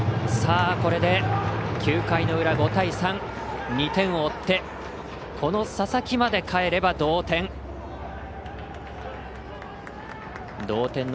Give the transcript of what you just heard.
これで９回の裏、５対３２点を追ってこの佐々木までかえれば同点。